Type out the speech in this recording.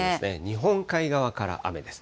日本海側から雨です。